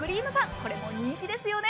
これも人気ですよね。